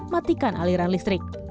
matikan aliran listrik